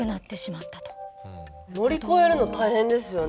乗り越えるの大変ですよね。